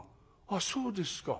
あっそうですか」。